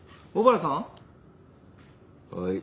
はい。